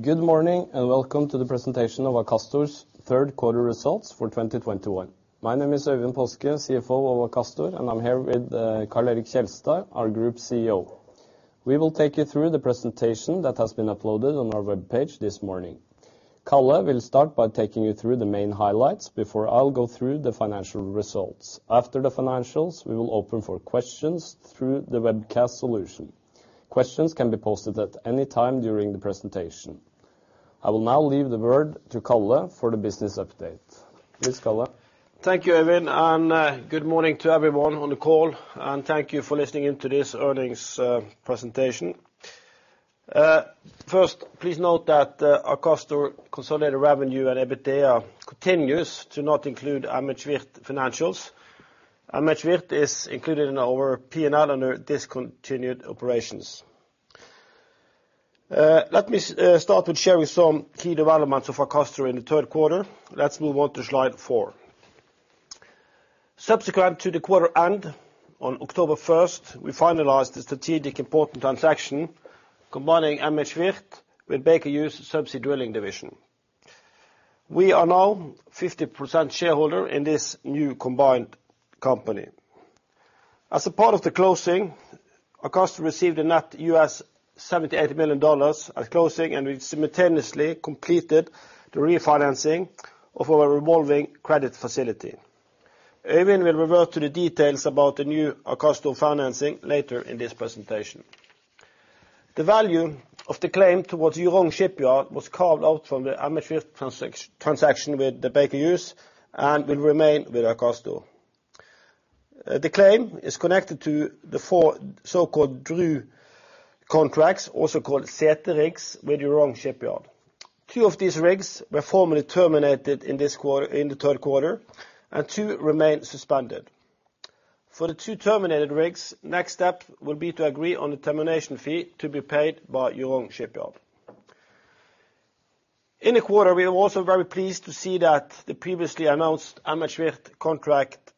Good morning, and welcome to the presentation of Akastor's third quarter results for 2021. My name is Øyvind Paaske, CFO of Akastor, and I'm here with Karl Erik Kjelstad, our Group CEO. We will take you through the presentation that has been uploaded on our webpage this morning. Karl will start by taking you through the main highlights before I'll go through the financial results. After the financials, we will open for questions through the webcast solution. Questions can be posted at any time during the presentation. I will now leave the word to Karl for the business update. Please, Karl. Thank you, Øyvind, and good morning to everyone on the call, and thank you for listening in to this earnings presentation. First, please note that Akastor consolidated revenue and EBITDA continues to not include MHWirth financials. MHWirth is included in our P&L under discontinued operations. Let me start with sharing some key developments of Akastor in the third quarter. Let's move on to slide four. Subsequent to the quarter end, on October first, we finalized the strategic important transaction combining MHWirth with Baker Hughes Subsea Drilling Division. We are now 50% shareholder in this new combined company. As a part of the closing, Akastor received a net $78 million at closing, and we simultaneously completed the refinancing of our revolving credit facility. Øyvind will revert to the details about the new Akastor financing later in this presentation. The value of the claim towards Jurong Shipyard was carved out from the MHWirth transaction with Baker Hughes and will remain with Akastor. The claim is connected to the four so-called DRU contracts, also called semi rigs, with Jurong Shipyard. Two of these rigs were formally terminated in this quarter, in the third quarter, and two remain suspended. For the two terminated rigs, next step will be to agree on the termination fee to be paid by Jurong Shipyard. In the quarter, we were also very pleased to see that the previously announced MHWirth contract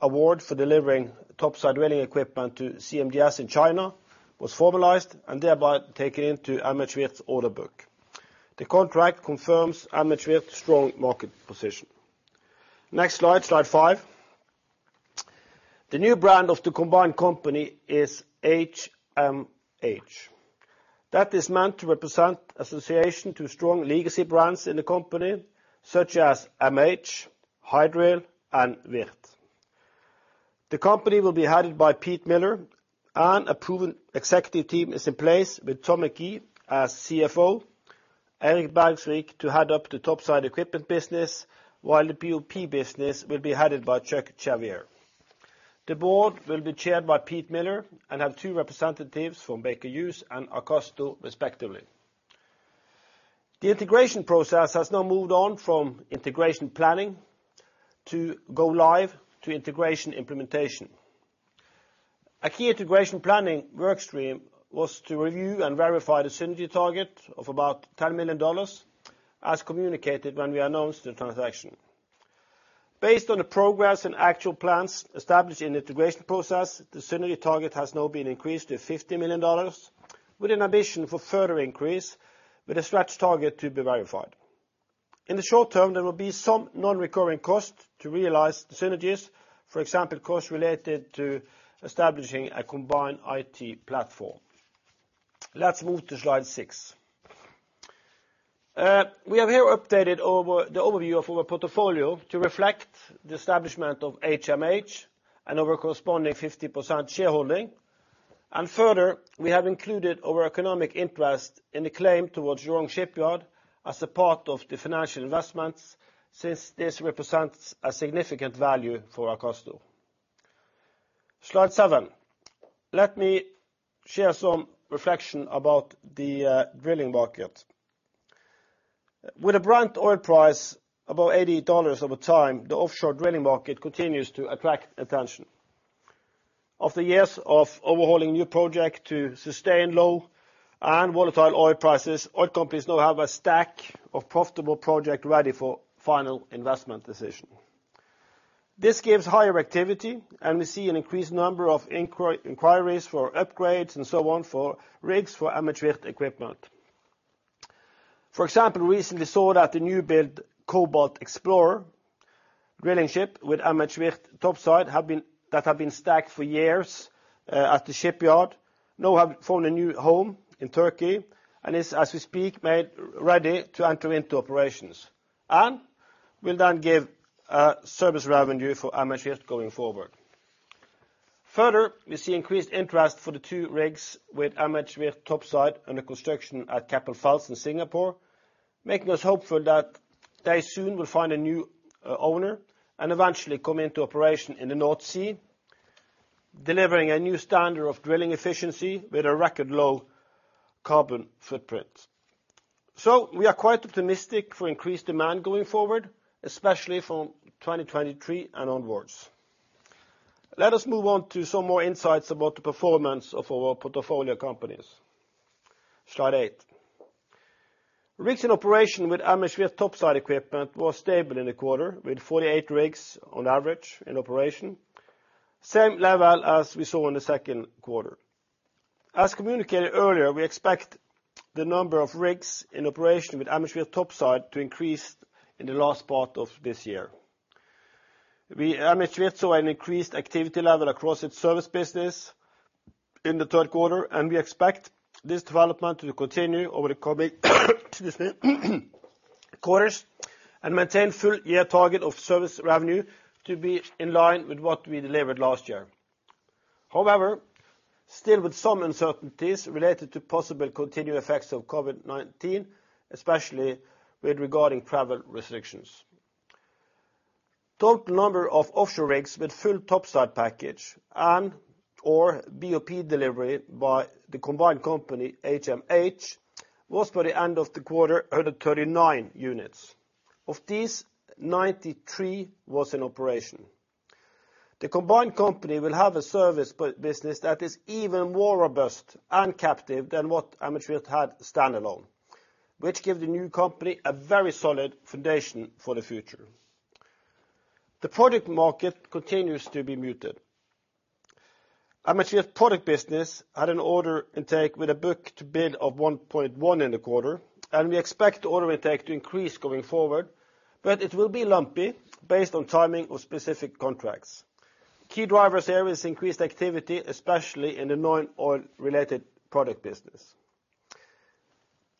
award for delivering topside drilling equipment to GMGS in China was formalized and thereby taken into MHWirth's order book. The contract confirms MHWirth's strong market position. Next slide five. The new brand of the combined company is HMH. That is meant to represent association to strong legacy brands in the company such as MH, Hydril, and Wirth. The company will be headed by Pete Miller, and a proven executive team is in place with Tom McGee as CFO, Eric Bergsvik to head up the Topside Equipment Business, while the BOP business will be headed by Chuck Chauviere. The board will be chaired by Pete Miller and have two representatives from Baker Hughes and Akastor respectively. The integration process has now moved on from integration planning to go live to integration implementation. A key integration planning work stream was to review and verify the synergy target of about $10 million as communicated when we announced the transaction. Based on the progress and actual plans established in the integration process, the synergy target has now been increased to $50 million with an ambition for further increase, with a stretch target to be verified. In the short term, there will be some non-recurring costs to realize the synergies. For example, costs related to establishing a combined IT platform. Let's move to slide six. We have here updated the overview of our portfolio to reflect the establishment of HMH and our corresponding 50% shareholding. Further, we have included our economic interest in the claim towards Jurong Shipyard as a part of the financial investments since this represents a significant value for Akastor. Slide seven. Let me share some reflection about the drilling market. With a Brent oil price above $80 over time, the offshore drilling market continues to attract attention. After years of overhauling new project to sustain low and volatile oil prices, oil companies now have a stack of profitable project ready for final investment decision. This gives higher activity, and we see an increased number of inquiries for upgrades and so on for rigs for MHWirth equipment. For example, we recently saw that the new build Cobalt Explorer drilling ship with MHWirth topside that have been stacked for years at the shipyard, now have found a new home in Turkey, and is, as we speak, made ready to enter into operations and will then give service revenue for MHWirth going forward. Further, we see increased interest for the two rigs with MHWirth topside under construction at Keppel FELS in Singapore, making us hopeful that they soon will find a new owner and eventually come into operation in the North Sea, delivering a new standard of drilling efficiency with a record low carbon footprint. We are quite optimistic for increased demand going forward, especially from 2023 and onwards. Let us move on to some more insights about the performance of our portfolio companies. Slide eight. Rigs in operation with MHWirth topside equipment was stable in the quarter, with 48 rigs on average in operation. Same level as we saw in the second quarter. As communicated earlier, we expect the number of rigs in operation with MHWirth topside to increase in the last part of this year. Akastor saw an increased activity level across its service business in the third quarter, and we expect this development to continue over the coming, excuse me, quarters and maintain full year target of service revenue to be in line with what we delivered last year. However, still with some uncertainties related to possible continued effects of COVID-19, especially regarding travel restrictions. Total number of offshore rigs with full topside package and or BOP delivery by the combined company HMH was by the end of the quarter 139 units. Of these, 93 was in operation. The combined company will have a service business that is even more robust and captive than what Akastor had standalone, which give the new company a very solid foundation for the future. The product market continues to be muted. HMH product business had an order intake with a book to build of 1.1 in the quarter, and we expect order intake to increase going forward. It will be lumpy based on timing of specific contracts. Key drivers here is increased activity, especially in the non-oil related product business.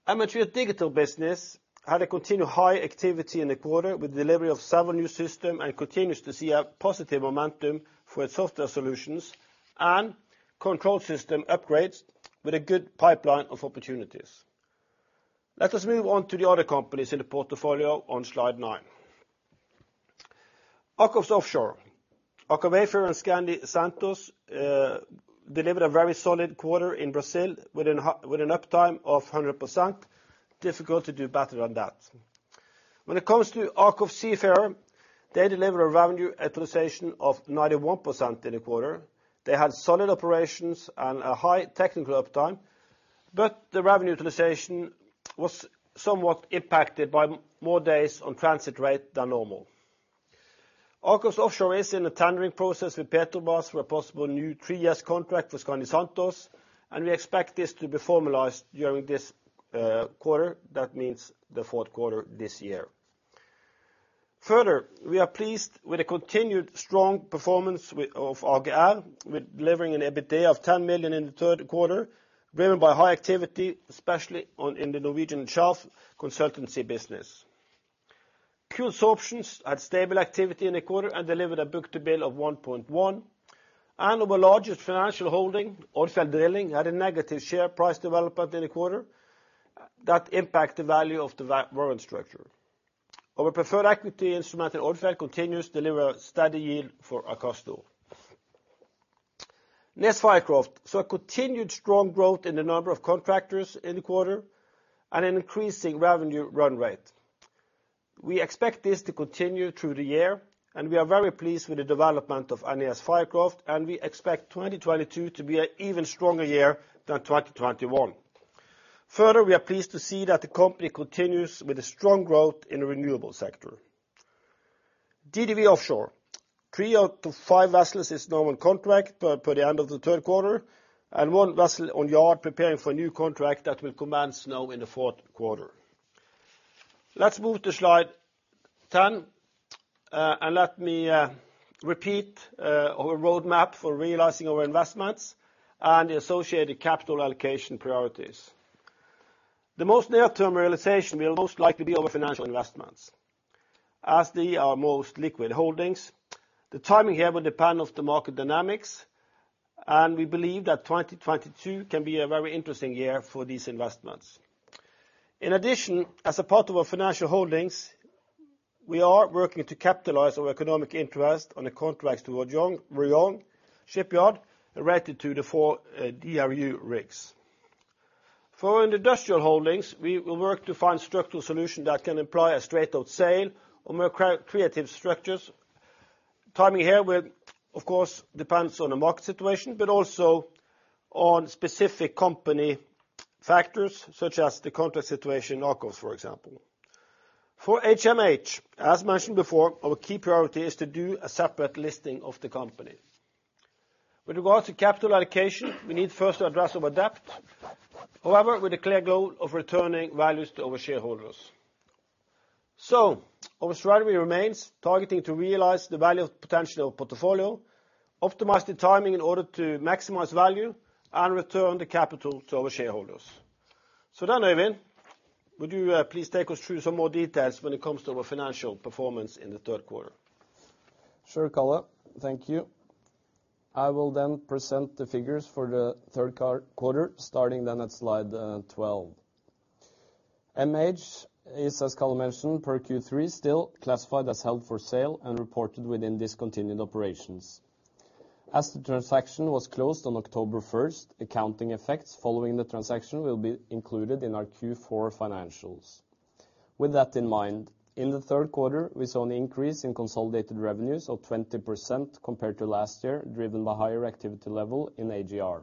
HMF digital business had a continued high activity in the quarter with delivery of several new system and continues to see a positive momentum for its software solutions and control system upgrades with a good pipeline of opportunities. Let us move on to the other companies in the portfolio on slide nine. AKOFS Offshore. Aker Wayfarer and Skandi Santos delivered a very solid quarter in Brazil with an uptime of 100%. Difficult to do better than that. When it comes to AKOFS Seafarer, they deliver a revenue utilization of 91% in the quarter. They had solid operations and a high technical uptime, but the revenue utilization was somewhat impacted by more days on transit rate than normal. AKOFS Offshore is in a tendering process with Petrobras for a possible new three-year contract for Skandi Santos, and we expect this to be formalized during this quarter. That means the fourth quarter this year. Further, we are pleased with the continued strong performance of AGR delivering an EBITDA of 10 million in the third quarter, driven by high activity, especially in the Norwegian Shelf consultancy business. Cool Sorption had stable activity in the quarter and delivered a book to bill of 1.1. Our largest financial holding, Odfjell Drilling, had a negative share price development in the quarter that impact the value of the warrant structure. Our preferred equity instrument in Odfjell continues deliver a steady yield for Akastor. NES Fircroft saw a continued strong growth in the number of contractors in the quarter and an increasing revenue run rate. We expect this to continue through the year, and we are very pleased with the development of NES Fircroft, and we expect 2022 to be an even stronger year than 2021. Further, we are pleased to see that the company continues with a strong growth in the renewable sector. DDW Offshore, three out of five vessels is normal contract by the end of the third quarter and one vessel on yard preparing for a new contract that will commence now in the fourth quarter. Let's move to slide 10, and let me repeat our roadmap for realizing our investments and the associated capital allocation priorities. The most near-term realization will most likely be our financial investments, as they are our most liquid holdings. The timing here will depend on the market dynamics, and we believe that 2022 can be a very interesting year for these investments. In addition, as a part of our financial holdings, we are working to capitalize our economic interest on the contracts towards Jurong Shipyard related to the four DRU rigs. For our industrial holdings, we will work to find structural solution that can employ a straight out sale or more creative structures. Timing here will of course depend on the market situation but also on specific company factors such as the contract situation in Aker, for example. For HMH, as mentioned before, our key priority is to do a separate listing of the company. With regards to capital allocation, we need first to address our debt, however, with a clear goal of returning values to our shareholders. Our strategy remains targeting to realize the value potential of portfolio, optimize the timing in order to maximize value and return the capital to our shareholders. Øyvind, would you, please take us through some more details when it comes to our financial performance in the third quarter? Sure, Karl. Thank you. I will then present the figures for the third quarter, starting then at slide 12. MH is, as Karl mentioned, per Q3, still classified as held for sale and reported within discontinued operations. As the transaction was closed on October first, accounting effects following the transaction will be included in our Q4 financials. With that in mind, in the third quarter, we saw an increase in consolidated revenues of 20% compared to last year, driven by higher activity level in AGR.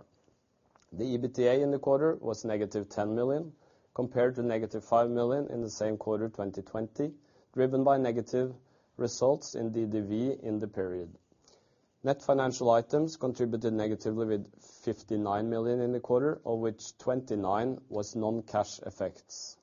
The EBITDA in the quarter was -10 million, compared to -5 million in the same quarter 2020, driven by negative results in DDW in the period. Net financial items contributed negatively with 59 million in the quarter, of which 29 million was non-cash effects.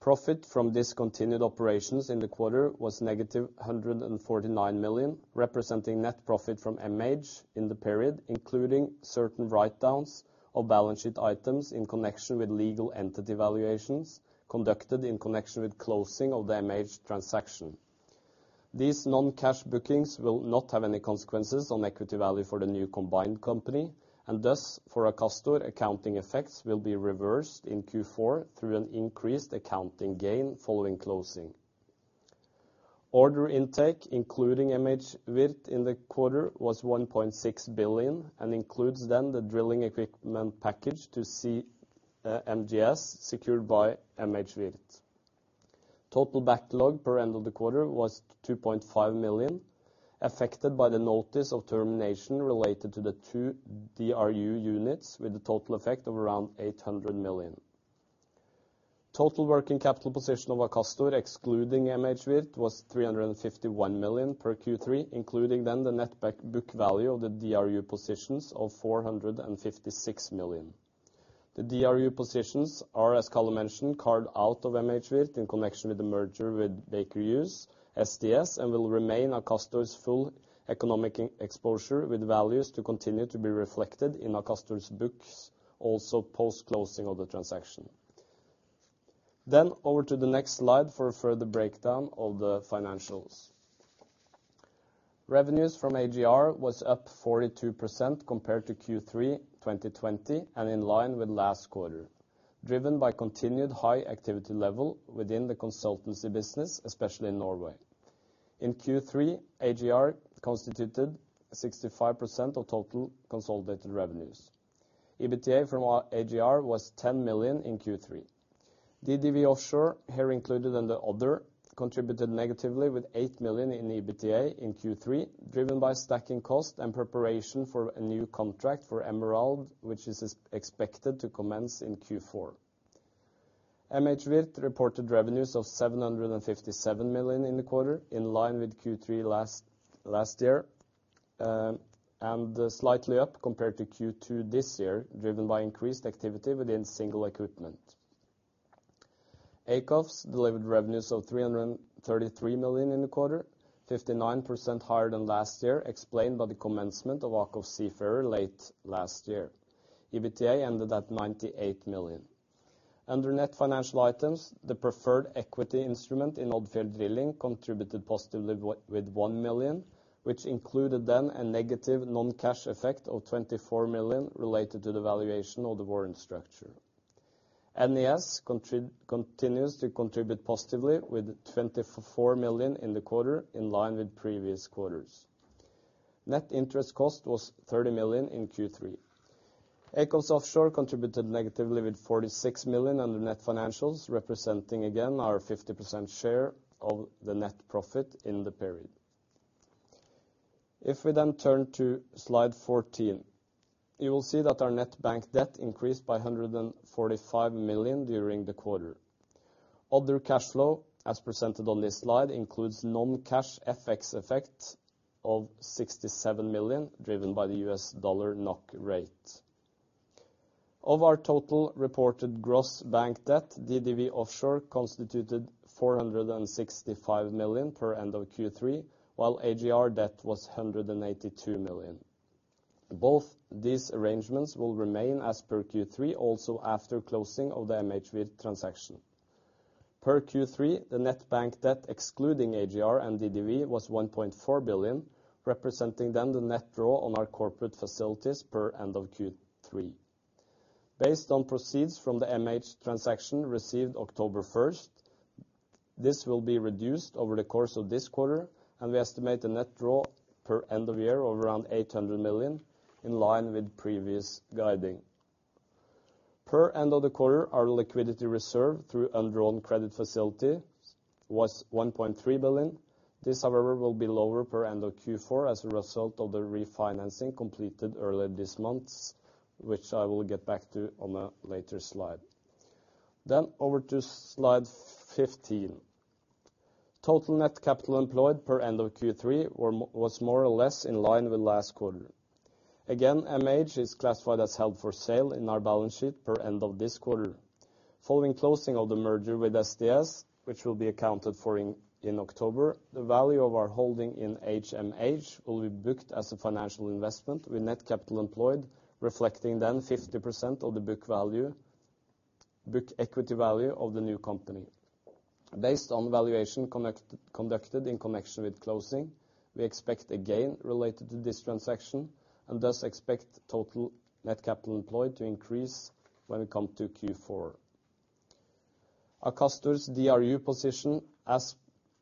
Profit from discontinued operations in the quarter was -149 million, representing net profit from MH in the period, including certain write-downs of balance sheet items in connection with legal entity valuations conducted in connection with closing of the MH transaction. These non-cash bookings will not have any consequences on equity value for the new combined company, and thus for Akastor accounting effects will be reversed in Q4 through an increased accounting gain following closing. Order intake, including MHWirth in the quarter, was 1.6 billion and includes then the drilling equipment package to GMGS secured by MHWirth. Total backlog per end of the quarter was 2.5 billion, affected by the notice of termination related to the two DRU units with a total effect of around 800 million. Total working capital position of Akastor excluding MHWirth was 351 million NOK per Q3, including then the net book value of the DRU positions of 456 million NOK. The DRU positions are, as Karl mentioned, carved out of MHWirth in connection with the merger with Baker Hughes, SDS, and will remain Akastor's full economic exposure, with values to continue to be reflected in Akastor's books, also post-closing of the transaction. Over to the next slide for a further breakdown of the financials. Revenues from AGR was up 42% compared to Q3 2020, and in line with last quarter, driven by continued high activity level within the consultancy business, especially in Norway. In Q3, AGR constituted 65% of total consolidated revenues. EBITDA from our AGR was 10 million NOK in Q3. DDW Offshore, here included in the other, contributed negatively with 8 million in EBITDA in Q3, driven by stacking costs and preparation for a new contract for Emerald, which is expected to commence in Q4. MHWirth reported revenues of 757 million in the quarter, in line with Q3 last year, and slightly up compared to Q2 this year, driven by increased activity within single equipment. AKOFS delivered revenues of 333 million in the quarter, 59% higher than last year, explained by the commencement of AKOFS Seafarer late last year. EBITDA ended at 98 million. Under net financial items, the preferred equity instrument in Odfjell Drilling contributed positively with 1 million, which included then a negative non-cash effect of 24 million related to the valuation of the warrant structure. NES continues to contribute positively with 24 million in the quarter in line with previous quarters. Net interest cost was 30 million in Q3. AKOFS Offshore contributed negatively with 46 million under net financials, representing again our 50% share of the net profit in the period. If we then turn to slide 14, you will see that our net bank debt increased by 145 million during the quarter. Other cash flow, as presented on this slide, includes non-cash FX effect of 67 million, driven by the U.S. dollar NOK rate. Of our total reported gross bank debt, DDW Offshore constituted 465 million per end of Q3, while AGR debt was 182 million. Both these arrangements will remain as per Q3, also after closing of the MHWirth transaction. Per Q3, the net bank debt excluding AGR and DDW was 1.4 billion, representing then the net draw on our corporate facilities per end of Q3. Based on proceeds from the MH transaction received October 1st, this will be reduced over the course of this quarter and we estimate the net draw per end of year of around 800 million in line with previous guiding. Per end of the quarter, our liquidity reserve through undrawn credit facilities was 1.3 billion. This, however, will be lower per end of Q4 as a result of the refinancing completed earlier this month, which I will get back to on a later slide. Over to slide 15. Total net capital employed per end of Q3 was more or less in line with last quarter. Again, MH is classified as held for sale in our balance sheet year-end of this quarter. Following closing of the merger with SDS, which will be accounted for in October, the value of our holding in HMH will be booked as a financial investment with net capital employed, reflecting then 50% of the book equity value of the new company. Based on valuation conducted in connection with closing, we expect a gain related to this transaction and thus expect total net capital employed to increase when we come to Q4. Akastor's DRU position as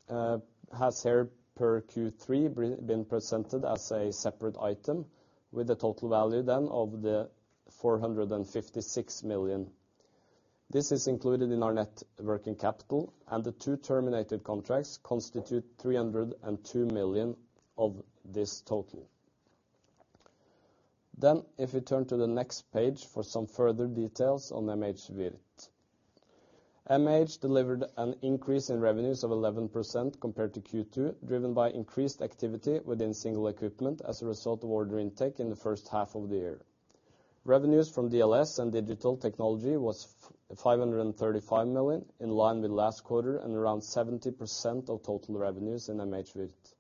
of Q3 has been presented as a separate item with a total value then of 456 million. This is included in our net working capital and the two terminated contracts constitute 302 million of this total. If you turn to the next page for some further details on MHWirth. MHWirth delivered an increase in revenues of 11% compared to Q2, driven by increased activity within single equipment as a result of order intake in the first half of the year. Revenues from DLS and digital technology was 535 million, in line with last quarter and around 70% of total revenues in MHWirth.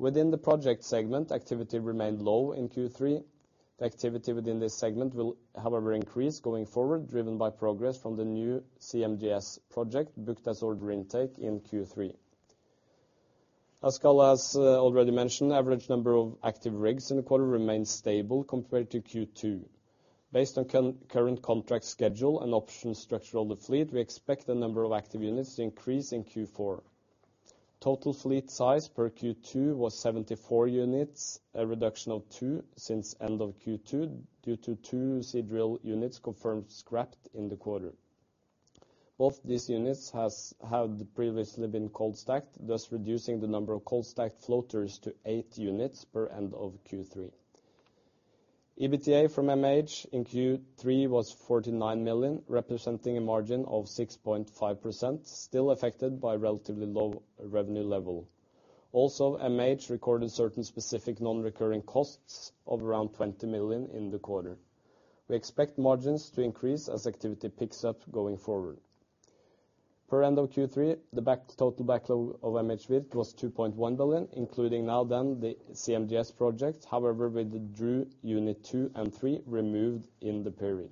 Within the project segment, activity remained low in Q3. The activity within this segment will however increase going forward, driven by progress from the new CMDS project booked as order intake in Q3. As Karl has already mentioned, average number of active rigs in the quarter remained stable compared to Q2. Based on current contract schedule and option structure of the fleet, we expect the number of active units to increase in Q4. Total fleet size per Q2 was 74 units, a reduction of 2 units since end of Q2 due to 2 Seadrill units confirmed scrapped in the quarter. Both these units had previously been cold stacked, thus reducing the number of cold stacked floaters to 8 units per end of Q3. EBITDA from MH in Q3 was 49 million, representing a margin of 6.5%, still affected by relatively low revenue level. Also, MH recorded certain specific non-recurring costs of around 20 million in the quarter. We expect margins to increase as activity picks up going forward. Per end of Q3, the total backlog of MHWirth was 2.1 billion, including now then the CMDS project. However, with the DRU Unit Two and Three removed in the period.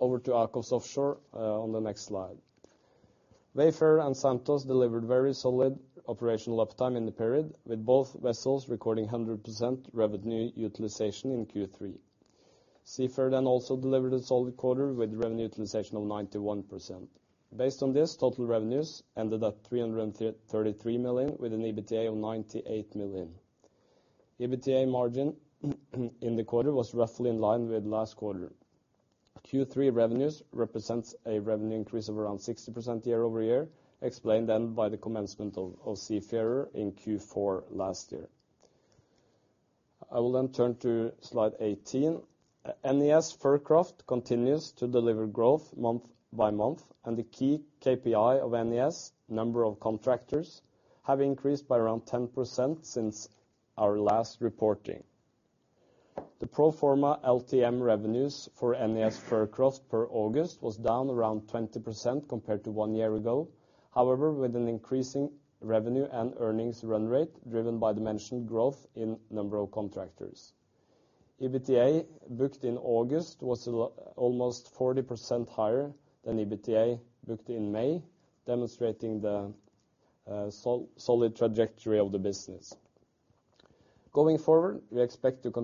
Over to AKOFS Offshore on the next slide. Wayfarer and Santos delivered very solid operational uptime in the period, with both vessels recording 100% revenue utilization in Q3. AKOFS Seafarer also delivered a solid quarter with revenue utilization of 91%. Based on this, total revenues ended at 333 million with an EBITDA of 98 million. EBITDA margin in the quarter was roughly in line with last quarter. Q3 revenues represent a revenue increase of around 60% year-over-year, explained by the commencement of Seafarer in Q4 last year. I will turn to slide 18. NES Fircroft continues to deliver growth month by month, and the key KPI of NES, number of contractors, have increased by around 10% since our last reporting. The pro forma LTM revenues for NES Fircroft per August was down around 20% compared to one year ago. However, with an increasing revenue and earnings run rate driven by the mentioned growth in number of contractors. EBITDA booked in August was almost 40% higher than EBITDA booked in May, demonstrating the solid trajectory of the business. Going forward, we expect growth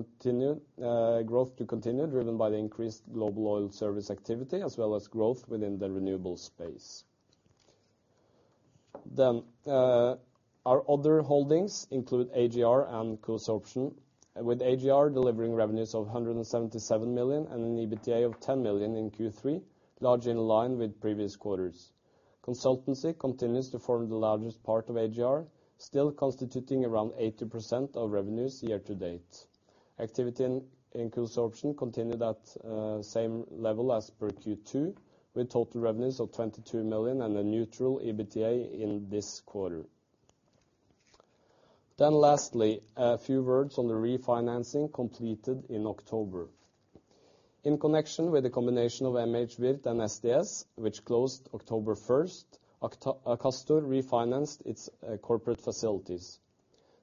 to continue, driven by the increased global oil service activity as well as growth within the renewable space. Our other holdings include AGR and Cool Sorption, with AGR delivering revenues of 177 million and an EBITDA of 10 million in Q3, largely in line with previous quarters. Consultancy continues to form the largest part of AGR, still constituting around 80% of revenues year to date. Activity in Cool Sorption continued at same level as per Q2, with total revenues of 22 million and a neutral EBITDA in this quarter. Lastly, a few words on the refinancing completed in October. In connection with the combination of MHWirth and SDS, which closed October 1st, Akastor refinanced its corporate facilities.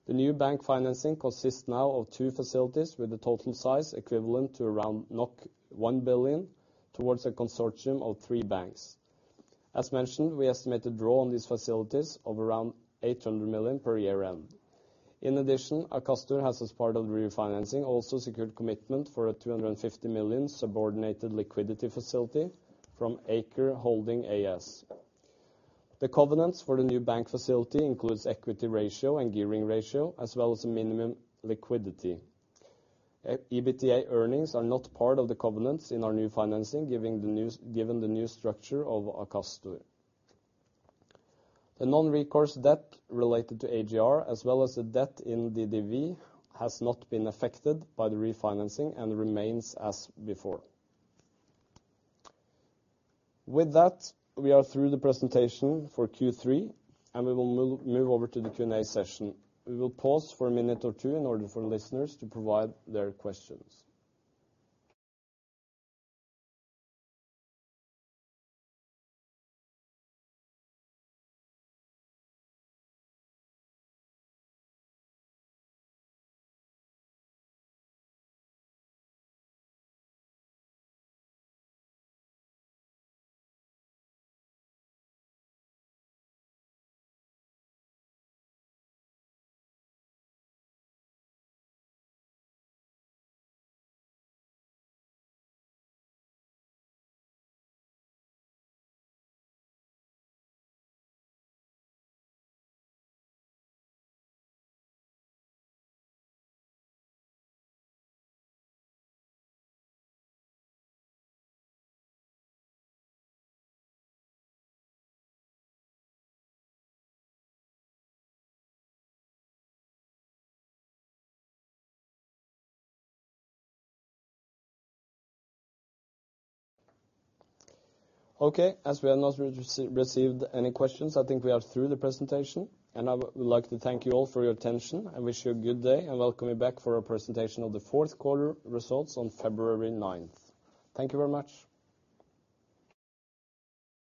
The new bank financing consists now of two facilities with a total size equivalent to around 1 billion to a consortium of three banks. As mentioned, we estimate a draw on these facilities of around 800 million at year-end. In addition, Akastor has, as part of the refinancing, also secured commitment for a 250 million subordinated liquidity facility from Aker Holding AS. The covenants for the new bank facility includes equity ratio and gearing ratio, as well as minimum liquidity. EBITDA earnings are not part of the covenants in our new financing, given the new structure of Akastor. The non-recourse debt related to AGR as well as the debt in DDW has not been affected by the refinancing and remains as before. With that, we are through the presentation for Q3, and we will move over to the Q&A session. We will pause for a minute or two in order for listeners to provide their questions. Okay, as we have not received any questions, I think we are through the presentation, and I would like to thank you all for your attention and wish you a good day and welcome you back for our presentation of the fourth quarter results on February ninth. Thank you very much.